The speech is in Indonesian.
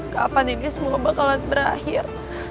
kapan ini semua bakalan berakhir